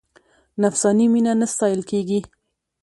نفساني مینه نه ستایل کېږي.